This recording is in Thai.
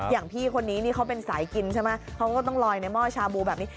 อย่างพี่คนนี้นี่เขาเป็นสายกินใช่ไหมเขาก็ต้องลอยในหม้อชาบูแบบนี้